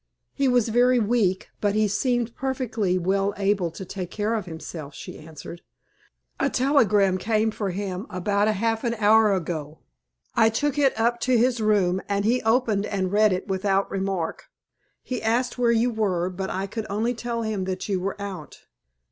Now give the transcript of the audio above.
"He was very weak, but he seemed perfectly well able to take care of himself," she answered. "A telegram came for him about half an hour ago. I took it up to his room, and he opened and read it without remark. He asked where you were, but I could only tell him that you were out.